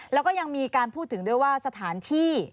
แล้วก็ยังมีการพูดถึงด้วยว่าสถานที่